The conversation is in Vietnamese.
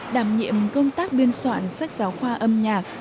đảm nhiệm công tác biên soạn sách giáo khoa âm nhạc